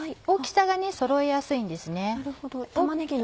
大きさがそろえやすいんですね。